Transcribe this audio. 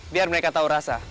biar mereka tahu rasa